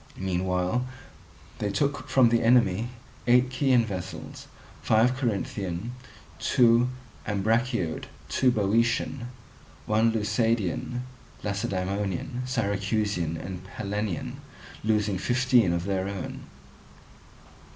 Meanwhile they took from the enemy eight Chian vessels, five Corinthian, two Ambraciot, two Boeotian, one Leucadian, Lacedaemonian, Syracusan, and Pellenian, losing fifteen of their own.